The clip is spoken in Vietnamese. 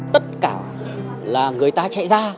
tất cả là người ta chạy ra